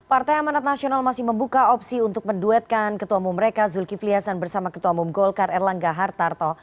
partai amanat nasional masih membuka opsi untuk menduetkan ketua umum mereka zulkifli hasan bersama ketua umum golkar erlangga hartarto